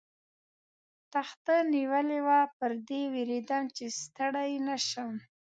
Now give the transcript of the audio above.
تخته نیولې وه، پر دې وېرېدم، چې ستړی نه شم.